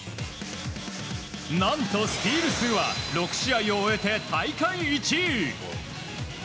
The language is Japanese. なんとスティール数は６試合を終えて大会１位。